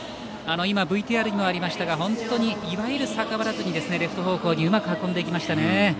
今、ＶＴＲにもありましたが本当にいわゆる逆らわずにレフト方向にうまく運んでいきましたね。